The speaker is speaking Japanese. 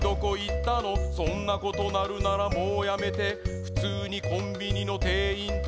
そんなことなるならもうやめてふつうにコンビニのてんいんと